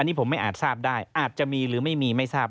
นี่ผมไม่อาจทราบได้อาจจะมีหรือไม่มีไม่ทราบ